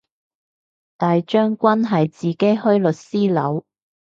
大將軍係自己開律師樓